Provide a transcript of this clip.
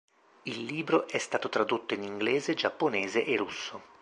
Il libro è stato tradotto in inglese, giapponese e russo.